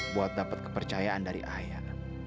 buat dapet kepercayaan dari ayahmu